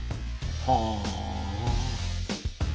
はあ。